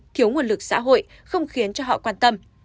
thiếu nguồn lực xã hội không khiến cho họ quan tâm